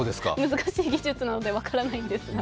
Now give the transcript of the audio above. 難しい技術なので分からないのですが。